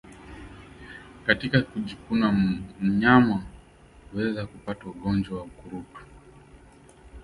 Katika kujikuna mnyama huweza kupata ugonjwa wa ukurutu